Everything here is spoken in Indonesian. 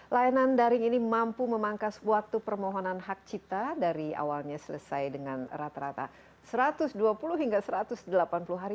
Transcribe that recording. layanan daring ini mampu memangkas waktu permohonan hak cita dari awalnya selesai dengan rata rata satu ratus dua puluh hingga satu ratus delapan puluh hari